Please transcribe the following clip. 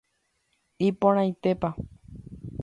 Iporãitépa